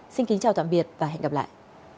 xin kính chào tạm biệt và hẹn gặp lại